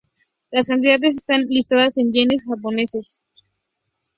Las cantidades están listadas en Yenes japoneses.